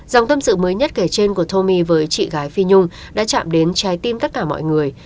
dòng tâm sự mới nhất kể trên của thomi với chị gái phi nhung đã chạm đến trái tim tất cả mọi người